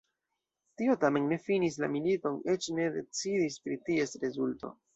Tio tamen ne finis la militon, eĉ ne decidis pri ties rezulto.